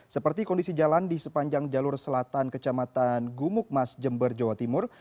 seperti kondisi jalan di sepanjang jalur selatan kecamatan gumuk mas jember jawa timur